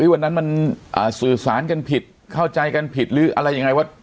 วันนั้นมันสื่อสารกันผิดเข้าใจกันผิดหรืออะไรยังไงว่า